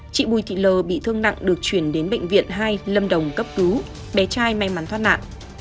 chị bùi thị lờ bị thương nặng được chuyển đến bệnh viện hai lâm đồng cấp cứu bé trai may mắn thoát nạn